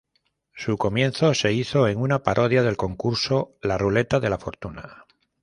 Su comienzo se hizo en una parodia del concurso "La ruleta de la fortuna".